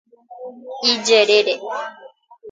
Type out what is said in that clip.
Ijerére.